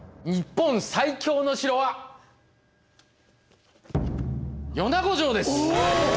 日本最強の城は米子城です。